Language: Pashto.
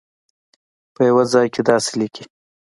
په یوه ځای کې داسې لیکي.